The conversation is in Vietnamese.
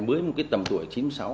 với một cái tầm tuổi chín mươi sáu